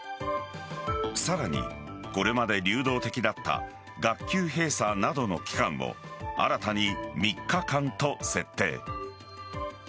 さらに、これまで流動的だった学級閉鎖などの期間を新たに３日間と設定。